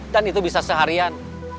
dan itu bisa seharian